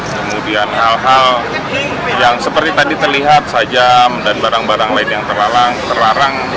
kemudian hal hal yang seperti tadi terlihat sajam dan barang barang lain yang terlarang